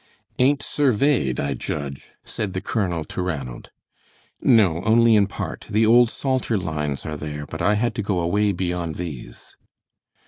"Ain't surveyed, I judge," said the colonel to Ranald. "No, only in part; the old Salter lines are there, but I had to go away beyond these."